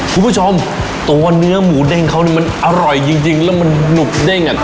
คุณผู้ชมตัวเนื้อหมูเด้งเขานี่มันอร่อยจริงแล้วมันหนุกเด้งอ่ะ